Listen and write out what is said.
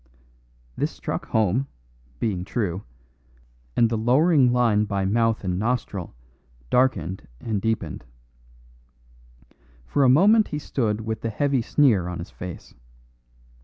This struck home, being true, and the lowering line by mouth and nostril darkened and deepened. For a moment he stood with the heavy sneer on his face.